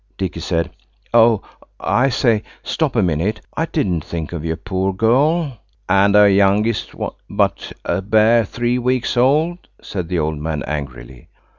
Dicky said– "Oh, I say, stop a minute. I didn't think of your poor girl." "And her youngest but a bare three weeks old," said the old man angrily.